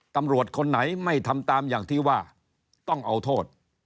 ตำรวจคนไหนไม่ทำตามอย่างที่ว่าต้องเอาโทษ